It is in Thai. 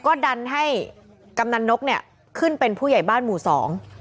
ก็ดันให้กำนันนกเนี่ยขึ้นเป็นผู้ใหญ่บ้านหมู่สอง